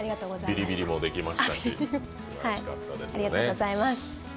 ビリビリもできましたし楽しかったですね。